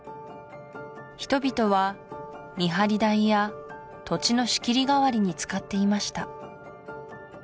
人々は見張り台や土地の仕切りがわりに使っていました